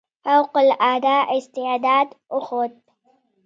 فوق العاده استعداد وښود.